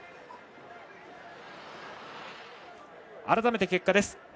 改めて結果です。